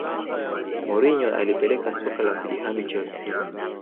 Mourinho alipeleka soka la kujihami chelsea